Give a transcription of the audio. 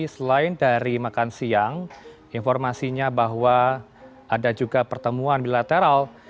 selain dari makan siang informasinya bahwa ada juga pertemuan bilateral